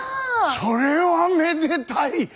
それはめでたい！